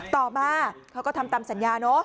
ต่อมาเขาก็ทำตามสัญญาเนอะ